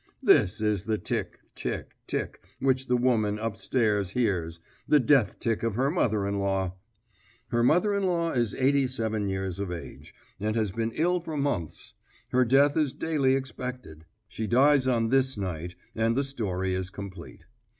This is the tick, tick, tick which the woman up stairs hears the death tick of her mother in law! Her mother in law is eighty seven years of age, and has been ill for months; her death is daily expected. She dies on this night, and the story is complete.